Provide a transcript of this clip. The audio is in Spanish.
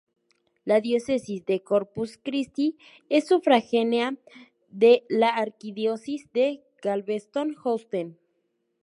La Diócesis de Corpus Christi es sufragánea d la Arquidiócesis de Galveston-Houston.